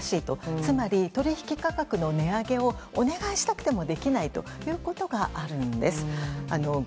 つまり、取引価格の値上げをお願いしたくてもできないということがあるんです。